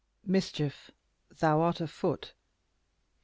Mischief, thou art afoot.